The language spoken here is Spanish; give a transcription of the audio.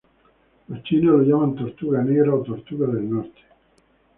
Los chinos lo llaman Tortuga negra o tortuga del norte.